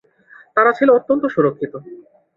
তারা ছিল অত্যন্ত সুরক্ষিত।